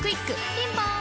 ピンポーン